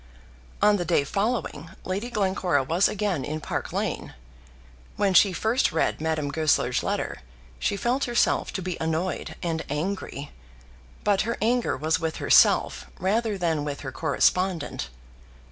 On the day following, Lady Glencora was again in Park Lane. When she first read Madame Goesler's letter, she felt herself to be annoyed and angry, but her anger was with herself rather than with her correspondent.